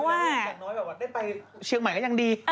อย่างน้อยแบบว่าได้ไปเชียงใหม่ก็ยังดี